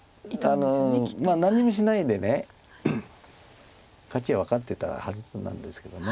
何にもしないで勝ちは分かってたはずなんですけど。